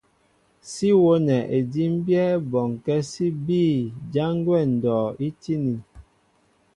Sí wónɛ edímbyɛ́ bɔŋkɛ́ sí bîy jǎn gwɛ́ ndɔ' í tíní.